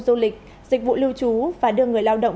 du lịch dịch vụ lưu trú và đưa người lao động